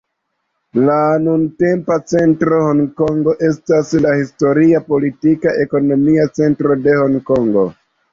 La nuntempa centra Honkongo estas la historia, politika, ekonomia centro de Honkongo.